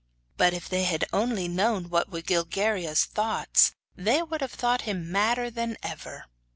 But if they had only known what were Gilguerillo's thoughts they would have thought him madder than ever.